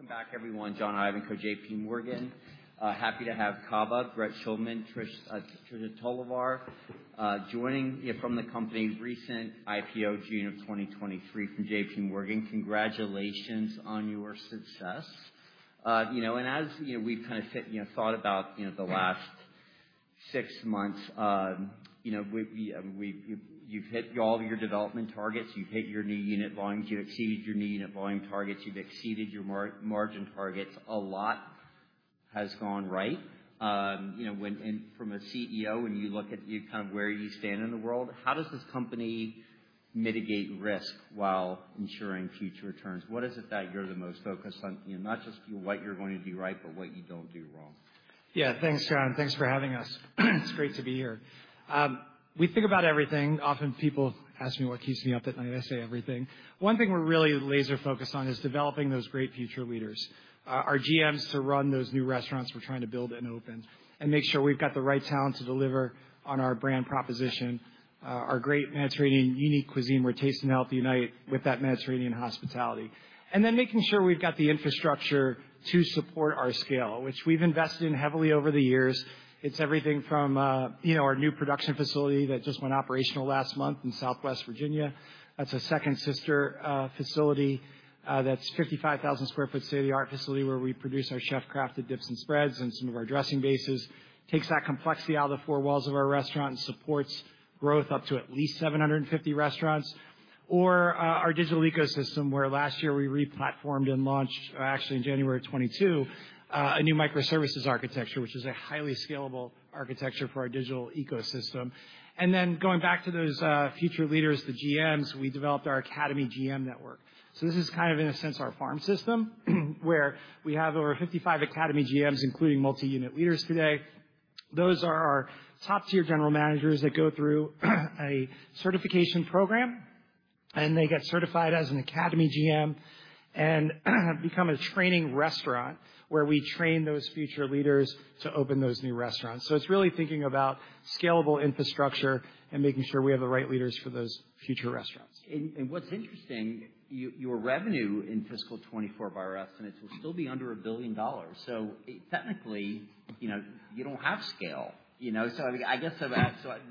Welcome back, everyone. John Ivanko, J.P. Morgan. Happy to have CAVA Brett Schulman, Tricia Tolivar, joining, you know, from the company recent IPO June of 2023 from J.P. Morgan. Congratulations on your success. You know, and as, you know, we've kind of, you know, thought about, you know, the last six months, you know, we, we've, you've hit all of your development targets. You've hit your new unit volumes. You've exceeded your new unit volume targets. You've exceeded your margin targets. A lot has gone right. You know, when and from a CEO, when you look at, you know, kind of where you stand in the world, how does this company mitigate risk while ensuring future returns? What is it that you're the most focused on, you know, not just, you know, what you're going to do right, but what you don't do wrong? Yeah, thanks, John. Thanks for having us. It's great to be here. We think about everything. Often people ask me what keeps me up at night. I say everything. One thing we're really laser-focused on is developing those great future leaders, our GMs to run those new restaurants we're trying to build and open, and make sure we've got the right talent to deliver on our brand proposition, our great Mediterranean unique cuisine where taste and health unite with that Mediterranean hospitality, and then making sure we've got the infrastructure to support our scale, which we've invested in heavily over the years. It's everything from, you know, our new production facility that just went operational last month in Southwest Virginia. That's a second-sister facility, that's a 55,000 sq ft state-of-the-art facility where we produce our chef-crafted dips and spreads and some of our dressing bases, takes that complexity out of the four walls of our restaurant and supports growth up to at least 750 restaurants, or our digital ecosystem where last year we replatformed and launched, actually in January 2022, a new microservices architecture, which is a highly scalable architecture for our digital ecosystem. And then going back to those future leaders, the GMs, we developed our Academy GM network. So this is kind of, in a sense, our farm system where we have over 55 Academy GMs, including multi-unit leaders today. Those are our top-tier general managers that go through a certification program, and they get certified as an Academy GM and become a training restaurant where we train those future leaders to open those new restaurants. It's really thinking about scalable infrastructure and making sure we have the right leaders for those future restaurants. What's interesting, your revenue in fiscal 2024 by our estimates will still be under $1 billion. So technically, you know, you don't have scale, you know? So, I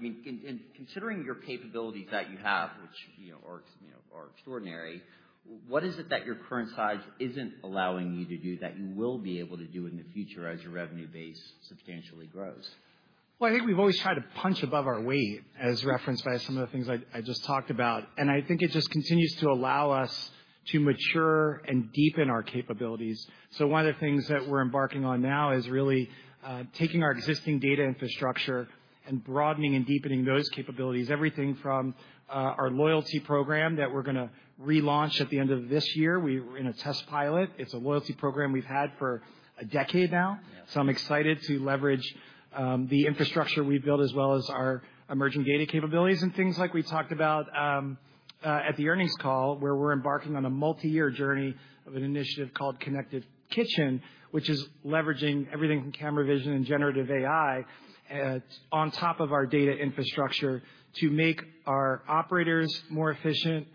mean, considering your capabilities that you have, which, you know, are extraordinary, what is it that your current size isn't allowing you to do that you will be able to do in the future as your revenue base substantially grows? Well, I think we've always tried to punch above our weight, as referenced by some of the things I, I just talked about. I think it just continues to allow us to mature and deepen our capabilities. One of the things that we're embarking on now is really taking our existing data infrastructure and broadening and deepening those capabilities, everything from our loyalty program that we're gonna relaunch at the end of this year. We're in a test pilot. It's a loyalty program we've had for a decade now. So I'm excited to leverage the infrastructure we've built as well as our emerging data capabilities and things like we talked about at the earnings call where we're embarking on a multi-year journey of an initiative called Connected Kitchen, which is leveraging everything from camera vision and generative AI on top of our data infrastructure to make our operators more efficient,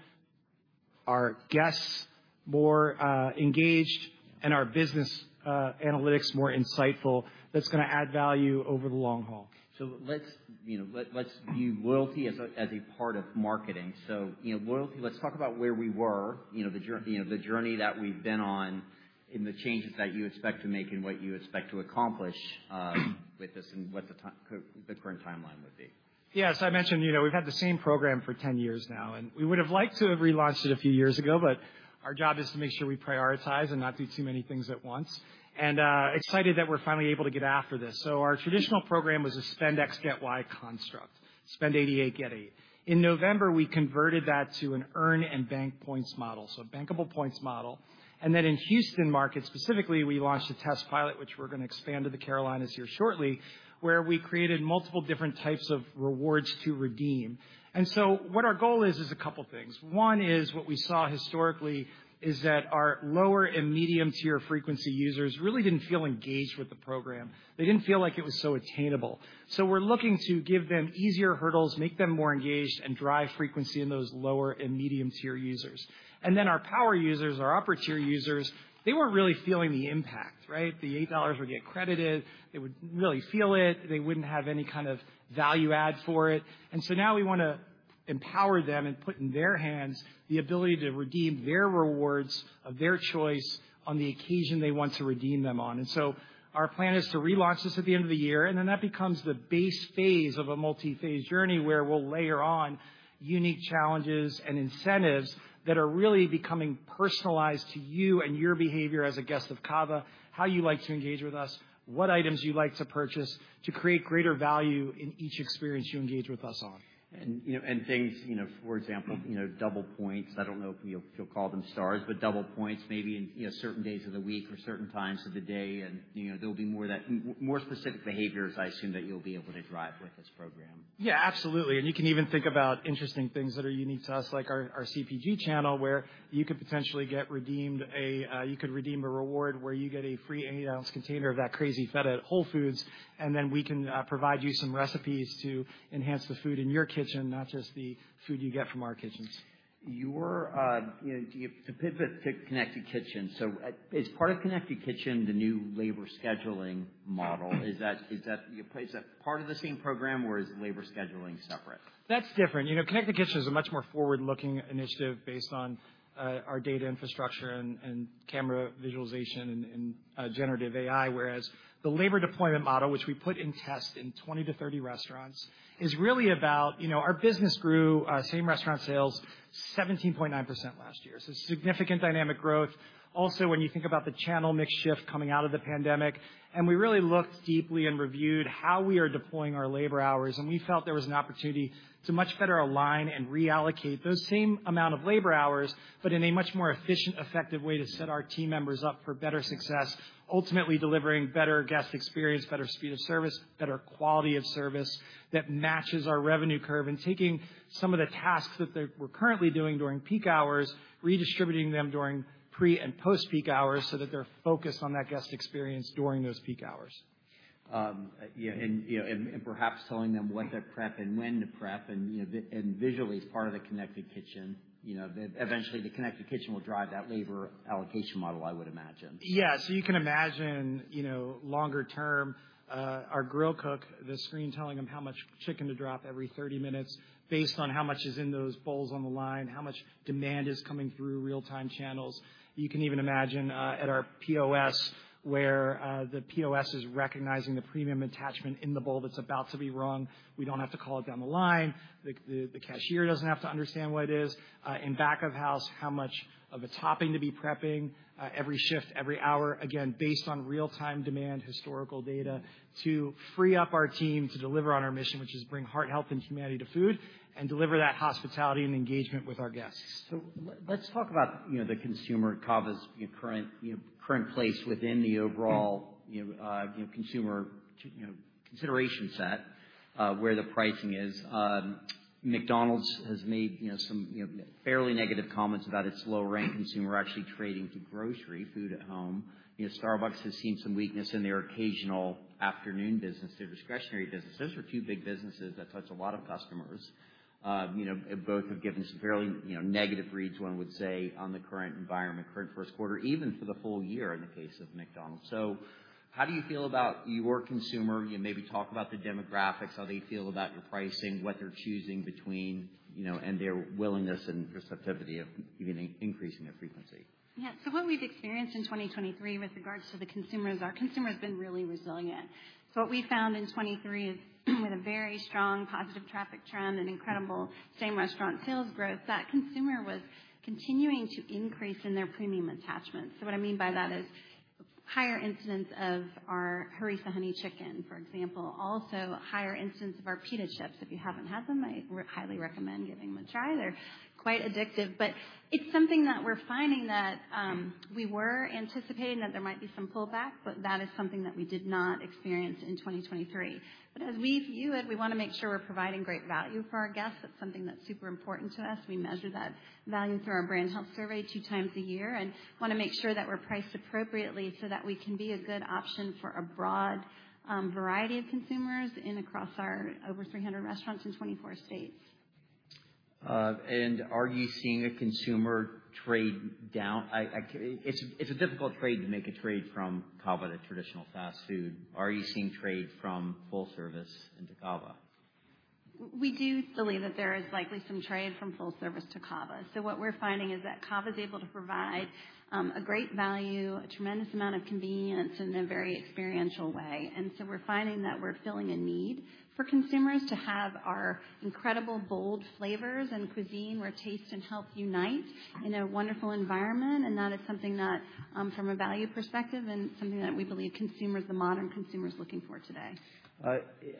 our guests more engaged, and our business analytics more insightful. That's gonna add value over the long haul. So let's, you know, let's view loyalty as a part of marketing. So, you know, loyalty, let's talk about where we were, you know, the journey that we've been on and the changes that you expect to make and what you expect to accomplish with this and what the current timeline would be. Yeah. So I mentioned, you know, we've had the same program for 10 years now, and we would have liked to have relaunched it a few years ago, but our job is to make sure we prioritize and not do too many things at once. Excited that we're finally able to get after this. So our traditional program was a spend X, get Y construct, spend $88, get 8. In November, we converted that to an earn and bank points model, so a bankable points model. And then in Houston market specifically, we launched a test pilot, which we're gonna expand to the Carolinas here shortly, where we created multiple different types of rewards to redeem. And so what our goal is, is a couple things. One is what we saw historically is that our lower and medium-tier frequency users really didn't feel engaged with the program. They didn't feel like it was so attainable. So we're looking to give them easier hurdles, make them more engaged, and drive frequency in those lower and medium-tier users. And then our power users, our upper-tier users, they weren't really feeling the impact, right? The $8 would get credited. They wouldn't really feel it. They wouldn't have any kind of value add for it. And so now we wanna empower them and put in their hands the ability to redeem their rewards of their choice on the occasion they want to redeem them on. Our plan is to relaunch this at the end of the year, and then that becomes the base phase of a multi-phase journey where we'll layer on unique challenges and incentives that are really becoming personalized to you and your behavior as a guest of CAVA, how you like to engage with us, what items you like to purchase to create greater value in each experience you engage with us on. You know, and things, you know, for example, you know, double points. I don't know if you'll call them stars, but double points maybe in, you know, certain days of the week or certain times of the day. You know, there'll be more of that more specific behaviors, I assume, that you'll be able to drive with this program. Yeah, absolutely. And you can even think about interesting things that are unique to us, like our CPG channel where you could potentially redeem a reward where you get a free 8-ounce container of that Crazy Feta at Whole Foods, and then we can provide you some recipes to enhance the food in your kitchen, not just the food you get from our kitchens. You know, do you want to pivot to Connected Kitchen, so as part of Connected Kitchen, the new labor scheduling model, is that part of the same program, or is labor scheduling separate? That's different. You know, Connected Kitchen is a much more forward-looking initiative based on our data infrastructure and Generative AI, whereas the labor deployment model, which we put in test in 20-30 restaurants, is really about, you know, our business grew, same restaurant sales, 17.9% last year. So significant dynamic growth. Also, when you think about the channel mix shift coming out of the pandemic, and we really looked deeply and reviewed how we are deploying our labor hours, and we felt there was an opportunity to much better align and reallocate those same amount of labor hours but in a much more efficient, effective way to set our team members up for better success, ultimately delivering better guest experience, better speed of service, better quality of service that matches our revenue curve, and taking some of the tasks that they were currently doing during peak hours, redistributing them during pre and post-peak hours so that they're focused on that guest experience during those peak hours. You know, perhaps telling them what to prep and when to prep and, you know, visually, as part of the Connected Kitchen, you know, eventually the Connected Kitchen will drive that labor allocation model, I would imagine. Yeah. So you can imagine, you know, longer term, our grill cook, the screen telling him how much chicken to drop every 30 minutes based on how much is in those bowls on the line, how much demand is coming through real-time channels. You can even imagine, at our POS where the POS is recognizing the premium attachment in the bowl that's about to be rung. We don't have to call it down the line. The cashier doesn't have to understand what it is. In back of house, how much of a topping to be prepping, every shift, every hour, again, based on real-time demand, historical data, to free up our team to deliver on our mission, which is bring heart, health, and humanity to food and deliver that hospitality and engagement with our guests. So let's talk about, you know, the consumer, CAVA's, you know, current place within the overall, you know, consumer consideration set, where the pricing is. McDonald's has made, you know, some, you know, fairly negative comments about its low-income consumer actually trading to grocery food at home. You know, Starbucks has seen some weakness in their occasional afternoon business, their discretionary business. Those are two big businesses that touch a lot of customers. You know, both have given some fairly, you know, negative reads, one would say, on the current environment, current first quarter, even for the full year in the case of McDonald's. So how do you feel about your consumer? You know, maybe talk about the demographics, how they feel about your pricing, what they're choosing between, you know, and their willingness and receptivity of even increasing their frequency. Yeah. So what we've experienced in 2023 with regards to the consumer is our consumer's been really resilient. So what we found in 2023 is with a very strong positive traffic trend and incredible same-restaurant sales growth, that consumer was continuing to increase in their premium attachments. So what I mean by that is higher incidence of our Harissa Honey Chicken, for example, also higher incidence of our pita chips. If you haven't had them, I highly recommend giving them a try. They're quite addictive. But it's something that we're finding that, we were anticipating that there might be some pullback, but that is something that we did not experience in 2023. But as we view it, we wanna make sure we're providing great value for our guests. That's something that's super important to us. We measure that value through our brand health survey two times a year and wanna make sure that we're priced appropriately so that we can be a good option for a broad variety of consumers across our over 300 restaurants in 24 states. Are you seeing a consumer trade down? I see it's a difficult trade to make a trade from CAVA to traditional fast food. Are you seeing trade from full service into CAVA? We do believe that there is likely some trade from full service to CAVA. So what we're finding is that CAVA's able to provide a great value, a tremendous amount of convenience in a very experiential way. And so we're finding that we're filling a need for consumers to have our incredible bold flavors and cuisine where taste and health unite in a wonderful environment, and that is something that, from a value perspective and something that we believe consumers, the modern consumers, looking for today.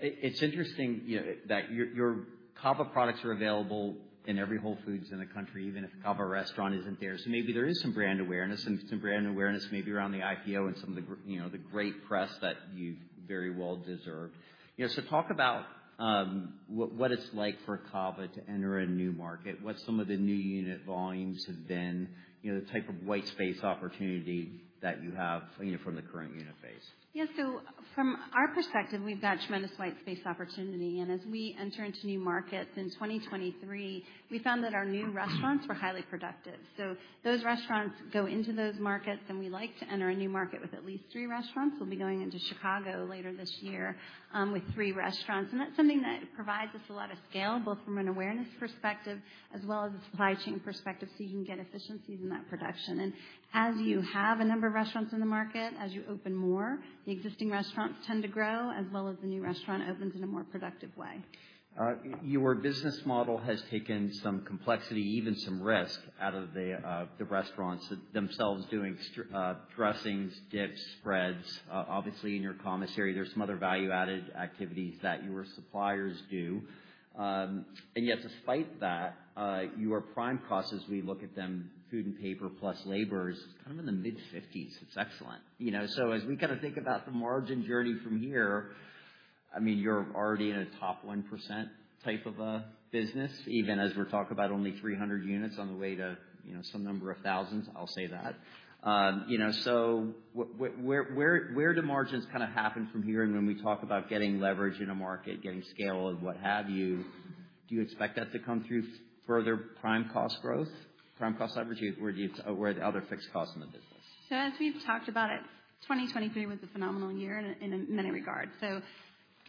It's interesting, you know, that your CAVA products are available in every Whole Foods in the country, even if a CAVA restaurant isn't there. So maybe there is some brand awareness, some brand awareness maybe around the IPO and some of the great press that you've very well deserved. You know, so talk about what it's like for CAVA to enter a new market, what some of the new unit volumes have been, you know, the type of white space opportunity that you have, you know, from the current unit phase. Yeah. So from our perspective, we've got tremendous white space opportunity. And as we enter into new markets in 2023, we found that our new restaurants were highly productive. So those restaurants go into those markets, and we like to enter a new market with at least three restaurants. We'll be going into Chicago later this year, with three restaurants. And that's something that provides us a lot of scale, both from an awareness perspective as well as a supply chain perspective, so you can get efficiencies in that production. And as you have a number of restaurants in the market, as you open more, the existing restaurants tend to grow as well as the new restaurant opens in a more productive way. Your business model has taken some complexity, even some risk, out of the restaurants themselves doing such dressings, dips, spreads. Obviously, in your commissary, there's some other value-added activities that your suppliers do. And yet, despite that, your prime costs, as we look at them, food and paper plus labors, it's kind of in the mid-50s. It's excellent. You know, so as we kinda think about the margin journey from here, I mean, you're already in a top 1% type of a business, even as we're talking about only 300 units on the way to, you know, some number of thousands. I'll say that. You know, so what, what, where, where, where do margins kinda happen from here? When we talk about getting leverage in a market, getting scale, and what have you, do you expect that to come through further prime cost growth, prime cost average, or where are the other fixed costs in the business? So as we've talked about, it was 2023 was a phenomenal year in many regards. So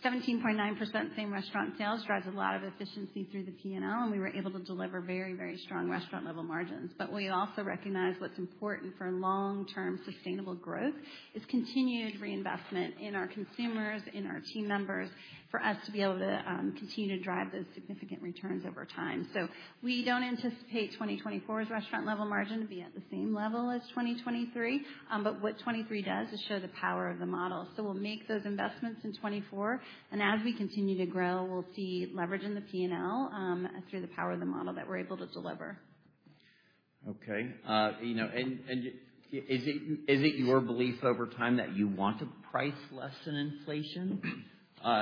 17.9% same-restaurant sales drives a lot of efficiency through the P&L, and we were able to deliver very, very strong restaurant-level margins. But we also recognize what's important for long-term sustainable growth is continued reinvestment in our consumers, in our team members, for us to be able to continue to drive those significant returns over time. So we don't anticipate 2024's restaurant-level margin to be at the same level as 2023, but what 2023 does is show the power of the model. So we'll make those investments in 2024, and as we continue to grow, we'll see leverage in the P&L, through the power of the model that we're able to deliver. Okay. You know, and why is it, is it your belief over time that you want to price less than inflation?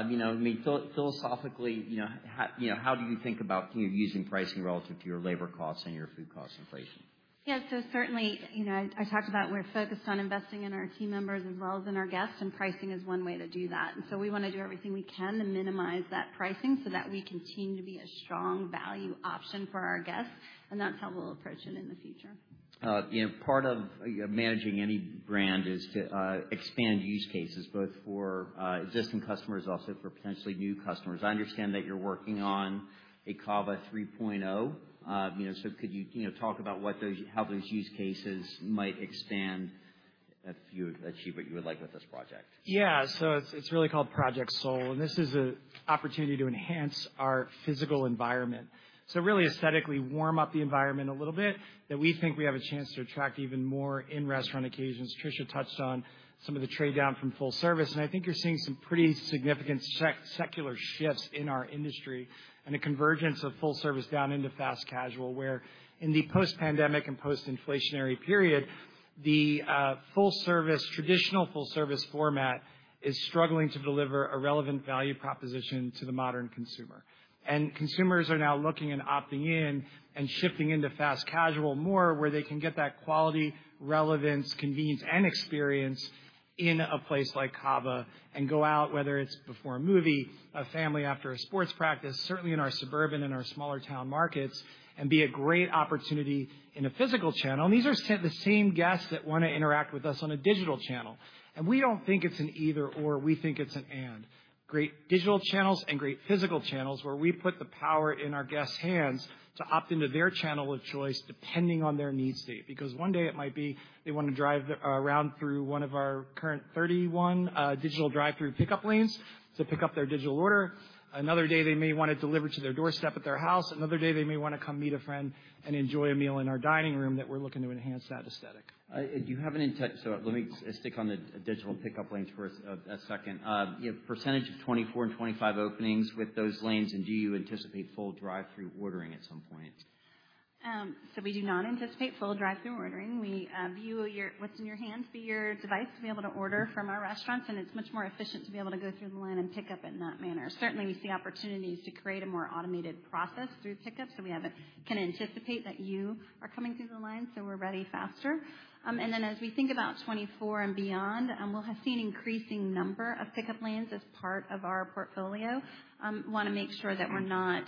You know, I mean, philosophically, you know, how do you think about, you know, using pricing relative to your labor costs and your food cost inflation? Yeah. So certainly, you know, I talked about we're focused on investing in our team members as well as in our guests, and pricing is one way to do that. And so we wanna do everything we can to minimize that pricing so that we continue to be a strong value option for our guests, and that's how we'll approach it in the future. You know, part of managing any brand is to expand use cases, both for existing customers, also for potentially new customers. I understand that you're working on a CAVA 3.0, you know, so could you, you know, talk about what those how those use cases might expand if you achieve what you would like with this project? Yeah. So it's really called Project Soul, and this is an opportunity to enhance our physical environment, so really aesthetically warm up the environment a little bit that we think we have a chance to attract even more in-restaurant occasions. Tricia touched on some of the trade-down from full service, and I think you're seeing some pretty significant secular shifts in our industry and a convergence of full service down into fast casual where, in the post-pandemic and post-inflationary period, the full service traditional full service format is struggling to deliver a relevant value proposition to the modern consumer. Consumers are now looking and opting in and shifting into fast casual more where they can get that quality, relevance, convenience, and experience in a place like CAVA and go out, whether it's before a movie, a family after a sports practice, certainly in our suburban and our smaller-town markets, and be a great opportunity in a physical channel. These are the same guests that wanna interact with us on a digital channel. We don't think it's an either/or. We think it's an and: great digital channels and great physical channels where we put the power in our guests' hands to opt into their channel of choice depending on their needs state. Because one day, it might be they wanna drive-thru through one of our current 31 digital drive-thru pickup lanes to pick up their digital order. Another day, they may wanna deliver to their doorstep at their house. Another day, they may wanna come meet a friend and enjoy a meal in our dining room that we're looking to enhance that aesthetic. Do you have any? So let me stick on the digital pickup lanes for a second. You know, percentage of 2024 and 2025 openings with those lanes, and do you anticipate full drive-through ordering at some point? So we do not anticipate full drive-through ordering. We view your what's in your hands be your device to be able to order from our restaurants, and it's much more efficient to be able to go through the line and pick up in that manner. Certainly, we see opportunities to create a more automated process through pickup, so we can anticipate that you are coming through the line, so we're ready faster. And then as we think about 2024 and beyond, we'll see an increasing number of pickup lanes as part of our portfolio. Wanna make sure that we're not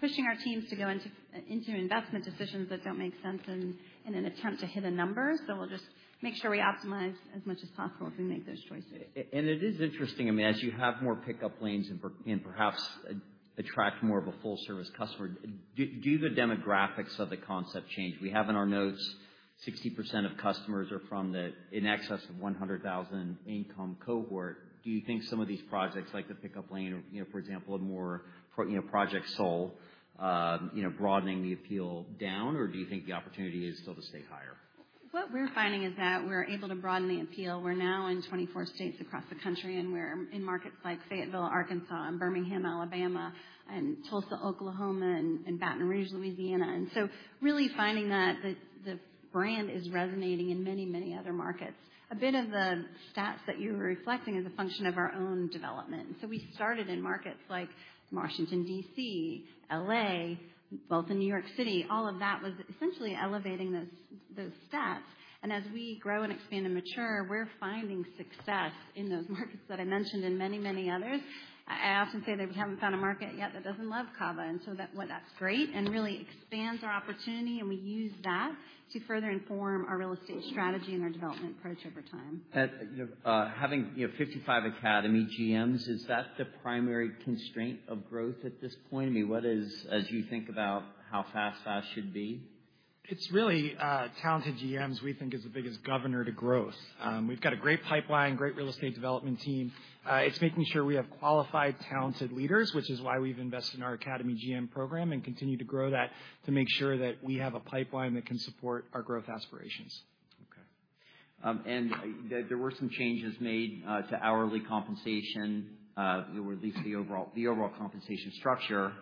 pushing our teams to go into investment decisions that don't make sense in an attempt to hit a number. So we'll just make sure we optimize as much as possible as we make those choices. And it is interesting. I mean, as you have more pickup lanes and perhaps attract more of a full-service customer, do the demographics of the concept change? We have in our notes, 60% of customers are from the in excess of $100,000-income cohort. Do you think some of these projects, like the pickup lane or, you know, for example, a more pro you know, Project Soul, you know, broadening the appeal down, or do you think the opportunity is still to stay higher? What we're finding is that we're able to broaden the appeal. We're now in 24 states across the country, and we're in markets like Fayetteville, Arkansas, and Birmingham, Alabama, and Baton Rouge, Louisiana. And so really finding that the brand is resonating in many, many other markets. A bit of the stats that you were reflecting is a function of our own development. So we started in markets like Washington, D.C., L.A., both in New York City. All of that was essentially elevating those stats. And as we grow and expand and mature, we're finding success in those markets that I mentioned and many, many others. I often say that we haven't found a market yet that doesn't love CAVA, and so that's what that's great and really expands our opportunity, and we use that to further inform our real estate strategy and our development approach over time. You know, having, you know, 55 Academy GMs, is that the primary constraint of growth at this point? I mean, what is as you think about how fast fast should be? It's really talented GMs we think is the biggest governor to growth. We've got a great pipeline, great real estate development team. It's making sure we have qualified, talented leaders, which is why we've invested in our Academy GM program and continue to grow that to make sure that we have a pipeline that can support our growth aspirations. Okay. There were some changes made to hourly compensation. You know, we released the overall compensation structure,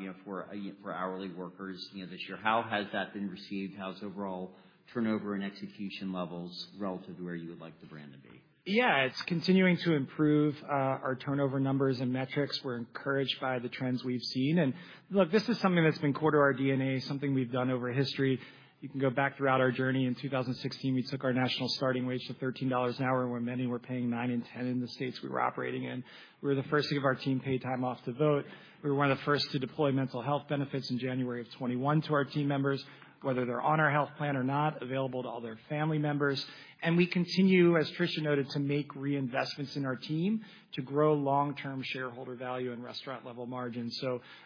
you know, for hourly workers, you know, this year. How has that been received? How's overall turnover and execution levels relative to where you would like the brand to be? Yeah. It's continuing to improve, our turnover numbers and metrics. We're encouraged by the trends we've seen. And look, this is something that's been core to our DNA, something we've done over history. You can go back throughout our journey. In 2016, we took our national starting wage to $13 an hour, where many were paying $9 and $10 in the states we were operating in. We were the first to give our team paid time off to vote. We were one of the first to deploy mental health benefits in January of 2021 to our team members, whether they're on our health plan or not, available to all their family members. And we continue, as Tricia noted, to make reinvestments in our team to grow long-term shareholder value and restaurant-level margins.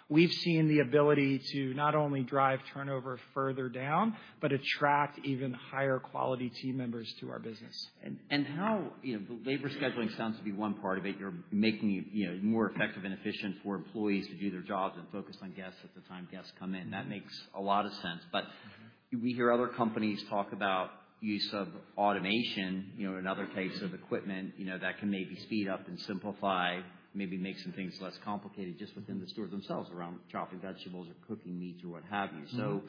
We've seen the ability to not only drive turnover further down but attract even higher-quality team members to our business. And how, you know, the labor scheduling sounds to be one part of it. You're making, you know, more effective and efficient for employees to do their jobs and focus on guests at the time guests come in. That makes a lot of sense. But we hear other companies talk about use of automation, you know, and other types of equipment, you know, that can maybe speed up and simplify, maybe make some things less complicated just within the store themselves around chopping vegetables or cooking meats or what have you. So,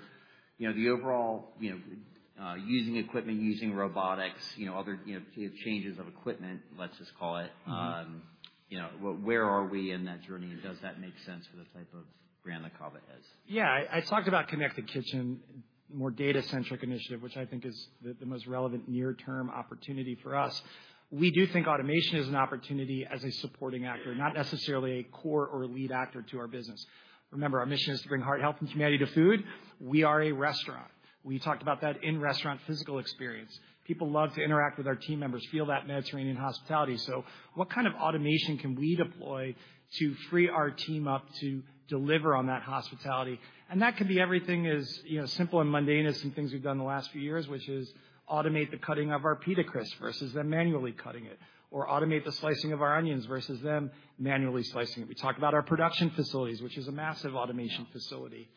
you know, the overall, you know, using equipment, using robotics, you know, other, you know, changes of equipment, let's just call it, you know, where are we in that journey, and does that make sense for the type of brand that CAVA has? Yeah. I talked about Connected Kitchen, more data-centric initiative, which I think is the most relevant near-term opportunity for us. We do think automation is an opportunity as a supporting actor, not necessarily a core or lead actor to our business. Remember, our mission is to bring heart, health, and community to food. We are a restaurant. We talked about that in-restaurant physical experience. People love to interact with our team members, feel that Mediterranean hospitality. So what kind of automation can we deploy to free our team up to deliver on that hospitality? And that could be everything as, you know, simple and mundane as some things we've done the last few years, which is automate the cutting of our pita chips versus them manually cutting it, or automate the slicing of our onions versus them manually slicing it. We talk about our production facilities, which is a massive automation facility.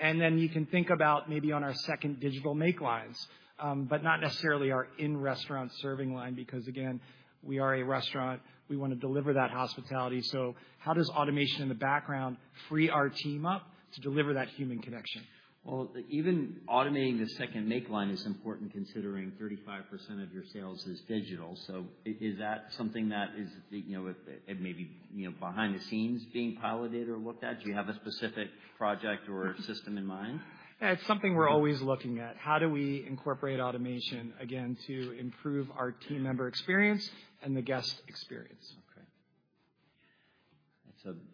Then you can think about maybe on our second digital make lines, but not necessarily our in-restaurant serving line because, again, we are a restaurant. We wanna deliver that hospitality. So how does automation in the background free our team up to deliver that human connection? Well, even automating the second make line is important considering 35% of your sales is digital. So is that something that is, you know, it may be, you know, behind the scenes being piloted or looked at? Do you have a specific project or system in mind? Yeah. It's something we're always looking at: how do we incorporate automation, again, to improve our team member experience and the guest experience? Okay.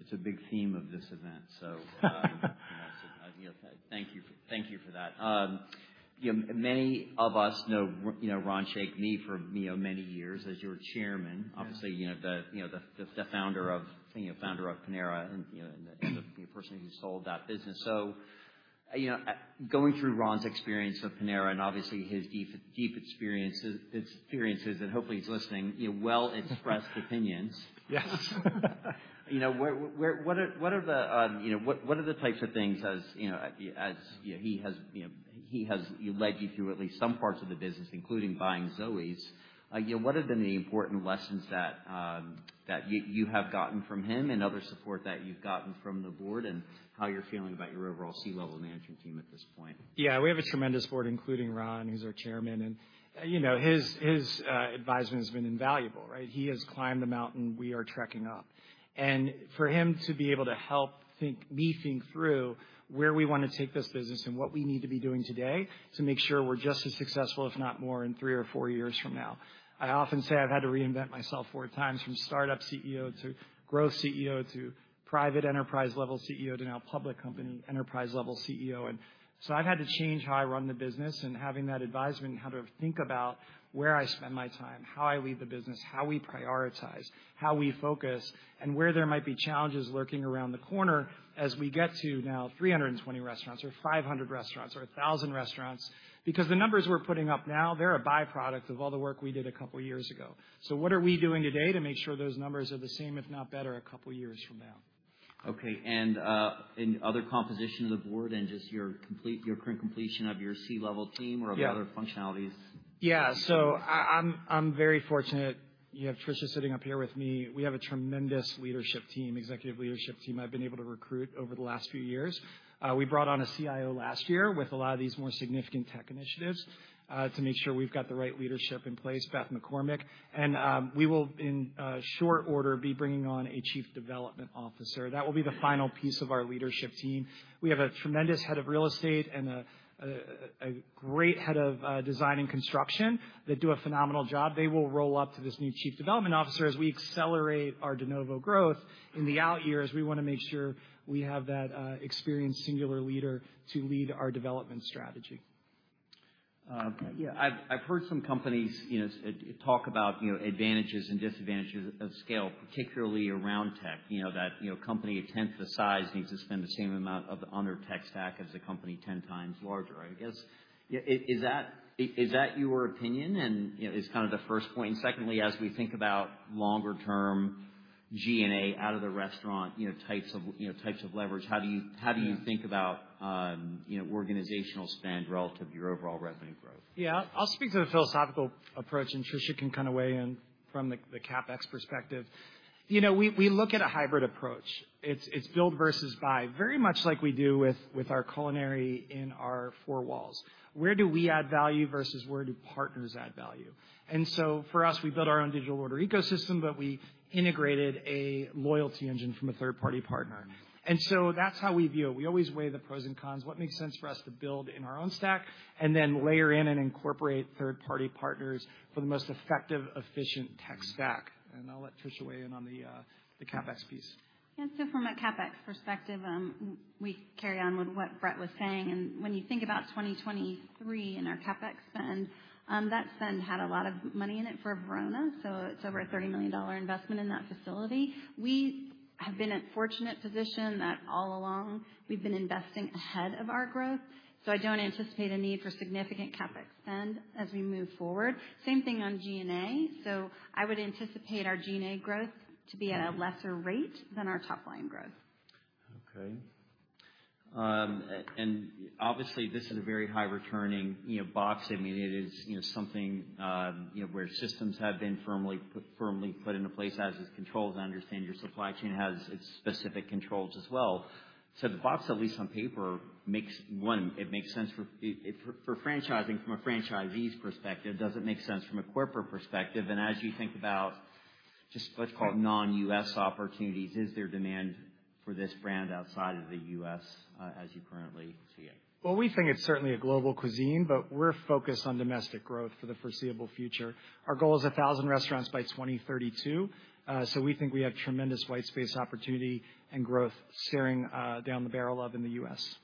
It's a big theme of this event, so, you know, so I, you know, thank you for that. You know, many of us know Ron Shaich from many years as your chairman. Obviously, you know, the founder of Panera and, you know, the person who sold that business. So, you know, going through Ron's experience with Panera and obviously his deep experiences and hopefully he's listening, you know, well-expressed opinions. You know, what are the types of things as you know, he has led you through at least some parts of the business, including buying Zoës. You know, what have been the important lessons that you have gotten from him and other support that you've gotten from the board and how you're feeling about your overall C-level management team at this point? Yeah. We have a tremendous board, including Ron, who's our chairman. And, you know, his advisement has been invaluable, right? He has climbed the mountain. We are trekking up. And for him to be able to help me think through where we wanna take this business and what we need to be doing today to make sure we're just as successful, if not more, in three or four years from now. I often say I've had to reinvent myself four times, from startup CEO to growth CEO to private enterprise-level CEO to now public company enterprise-level CEO. I've had to change how I run the business and having that advisement and how to think about where I spend my time, how I lead the business, how we prioritize, how we focus, and where there might be challenges lurking around the corner as we get to now 320 restaurants or 500 restaurants or 1,000 restaurants because the numbers we're putting up now, they're a byproduct of all the work we did a couple of years ago. So what are we doing today to make sure those numbers are the same, if not better, a couple of years from now? Okay. Other composition of the board and just your current completion of your C-level team or other functionalities? Yeah. Yeah. So I'm very fortunate. You have Tricia sitting up here with me. We have a tremendous leadership team, executive leadership team I've been able to recruit over the last few years. We brought on a CIO last year with a lot of these more significant tech initiatives, to make sure we've got the right leadership in place, Beth McCormick. And we will, in short order, be bringing on a chief development officer. That will be the final piece of our leadership team. We have a tremendous head of real estate and a great head of design and construction that do a phenomenal job. They will roll up to this new chief development officer as we accelerate our de novo growth in the out years. We wanna make sure we have that experienced singular leader to lead our development strategy. Yeah. I've heard some companies, you know, start to talk about, you know, advantages and disadvantages of scale, particularly around tech. You know, that, you know, company a tenth the size needs to spend the same amount on their tech stack as a company 10 times larger, I guess. Is that your opinion? And, you know, it's kind of the first point. And secondly, as we think about longer-term G&A out of the restaurant, you know, types of leverage, how do you think about, you know, organizational spend relative to your overall revenue growth? Yeah. I'll speak to the philosophical approach, and Tricia can kinda weigh in from the CapEx perspective. You know, we look at a hybrid approach. It's build versus buy, very much like we do with our culinary in our four walls. Where do we add value versus where do partners add value? And so for us, we built our own digital order ecosystem, but we integrated a loyalty engine from a third-party partner. And so that's how we view it. We always weigh the pros and cons, what makes sense for us to build in our own stack, and then layer in and incorporate third-party partners for the most effective, efficient tech stack. And I'll let Tricia weigh in on the CapEx piece. Yeah. So from a CapEx perspective, we carry on with what Brett was saying. And when you think about 2023 in our CapEx spend, that spend had a lot of money in it for Verona, so it's over a $30 million investment in that facility. We have been in a fortunate position that all along, we've been investing ahead of our growth. So I don't anticipate a need for significant CapEx spend as we move forward. Same thing on G&A. So I would anticipate our G&A growth to be at a lesser rate than our top-line growth. Okay. And obviously, this is a very high-returning, you know, box. I mean, it is, you know, something, you know, where systems have been firmly put into place as its controls. I understand your supply chain has its specific controls as well. So the box, at least on paper, makes one; it makes sense for it for franchising from a franchisee's perspective. Does it make sense from a corporate perspective? And as you think about just, let's call it, non-U.S. opportunities, is there demand for this brand outside of the U.S., as you currently see it? Well, we think it's certainly a global cuisine, but we're focused on domestic growth for the foreseeable future. Our goal is 1,000 restaurants by 2032. So we think we have tremendous white space opportunity and growth staring down the barrel of in the U.S.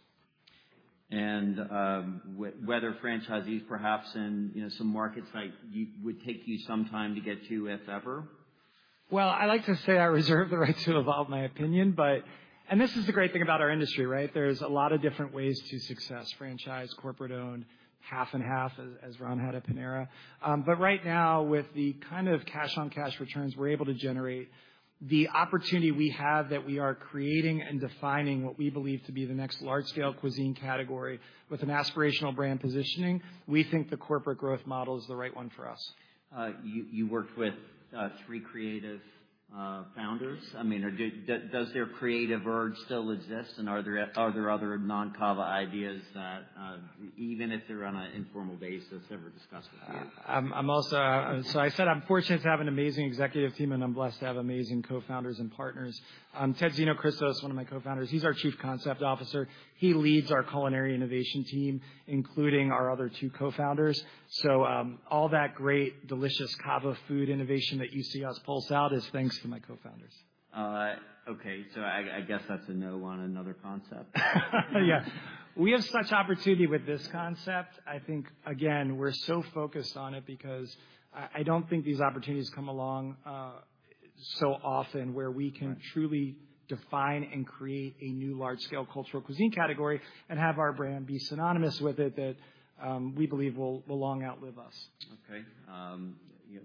Whether franchisees, perhaps in, you know, some markets might you would take you some time to get to, if ever? Well, I like to say I reserve the right to evolve my opinion, but, and this is the great thing about our industry, right? There's a lot of different ways to success: franchise, corporate-owned, half-and-half, as Ron had at Panera. But right now, with the kind of cash-on-cash returns we're able to generate, the opportunity we have that we are creating and defining what we believe to be the next large-scale cuisine category with an aspirational brand positioning, we think the corporate growth model is the right one for us. You worked with three creative founders. I mean, or does their creative urge still exist? And are there other non-CAVA ideas that, even if they're on an informal basis, ever discussed with you? Yeah. I'm fortunate to have an amazing executive team, and I'm blessed to have amazing co-founders and partners. Ted Xenohristos, one of my co-founders, he's our Chief Concept Officer. He leads our culinary innovation team, including our other two co-founders. So, all that great, delicious CAVA food innovation that you see us pulse out is thanks to my co-founders. Okay. So I guess that's a no on another concept. Yeah. We have such opportunity with this concept. I think, again, we're so focused on it because I, I don't think these opportunities come along so often where we can truly define and create a new large-scale cultural cuisine category and have our brand be synonymous with it that, we believe, will, will long outlive us. Okay. You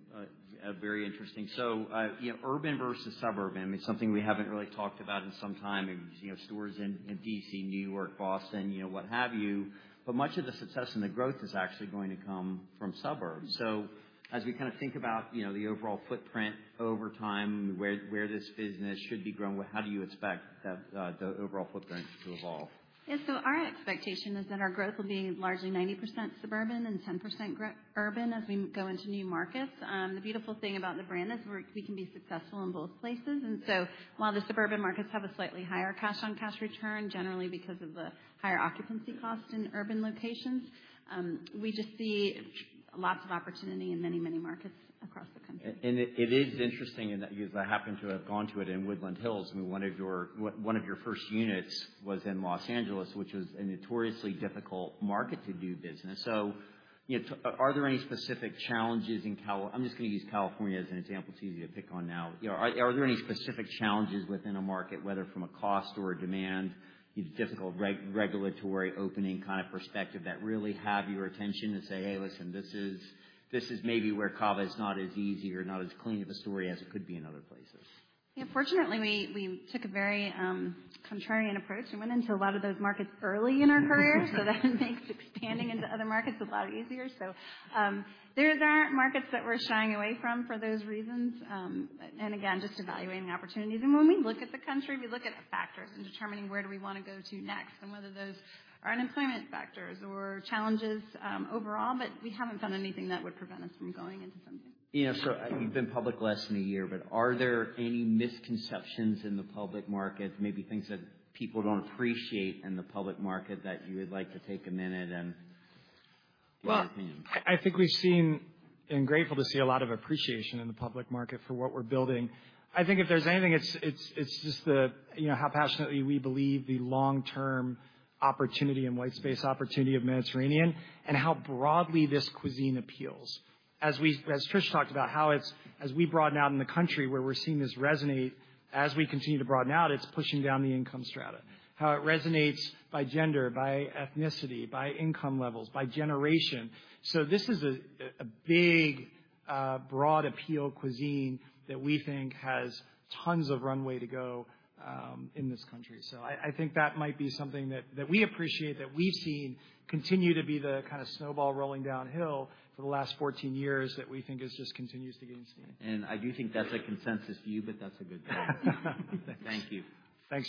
know, very interesting. So, you know, urban versus suburban. I mean, something we haven't really talked about in some time. I mean, you know, stores in D.C., New York, Boston, you know, what have you. But much of the success and the growth is actually going to come from suburbs. So as we kinda think about, you know, the overall footprint over time, where this business should be grown, how do you expect that the overall footprint to evolve? Yeah. So our expectation is that our growth will be largely 90% suburban and 10% urban as we go into new markets. The beautiful thing about the brand is we can be successful in both places. And so while the suburban markets have a slightly higher cash-on-cash return, generally because of the higher occupancy cost in urban locations, we just see lots of opportunity in many, many markets across the country. And it is interesting in that 'cause I happen to have gone to it in Woodland Hills, and one of your first units was in Los Angeles, which was a notoriously difficult market to do business. So, you know, are there any specific challenges in CAL? I'm just gonna use California as an example. It's easy to pick on now. You know, are there any specific challenges within a market, whether from a cost or a demand, you know, difficult regulatory opening kinda perspective that really have your attention to say, "Hey, listen, this is this is maybe where CAVA is not as easy or not as clean of a story as it could be in other places"? Yeah. Fortunately, we took a very contrarian approach. We went into a lot of those markets early in our career, so that makes expanding into other markets a lot easier. So, there aren't markets that we're shying away from for those reasons, and again, just evaluating opportunities. And when we look at the country, we look at factors in determining where do we wanna go to next and whether those are unemployment factors or challenges, overall, but we haven't found anything that would prevent us from going into something. You know, so you've been public less than a year, but are there any misconceptions in the public markets, maybe things that people don't appreciate in the public market that you would like to take a minute and give your opinion? Well, I think we've seen and grateful to see a lot of appreciation in the public market for what we're building. I think if there's anything, it's just the, you know, how passionately we believe the long-term opportunity and white space opportunity of Mediterranean and how broadly this cuisine appeals. As we, as Tricia talked about, how it's as we broaden out in the country where we're seeing this resonate, as we continue to broaden out, it's pushing down the income strata, how it resonates by gender, by ethnicity, by income levels, by generation. So this is a big, broad appeal cuisine that we think has tons of runway to go, in this country. So I think that might be something that we appreciate that we've seen continue to be the kinda snowball rolling downhill for the last 14 years that we think is just continues to gain steam. I do think that's a consensus view, but that's a good thing. Thank you. Thanks.